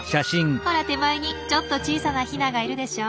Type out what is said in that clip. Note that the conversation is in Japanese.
ほら手前にちょっと小さなヒナがいるでしょ？